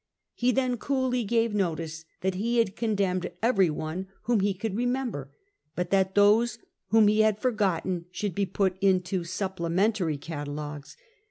He then coolly gave notice that he had condemned every one whom he could remember, but that those whom he had forgotten should be put into supplementary catalogues.